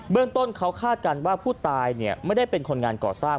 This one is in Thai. เรื่องต้นเขาคาดการณ์ว่าผู้ตายไม่ได้เป็นคนงานก่อสร้าง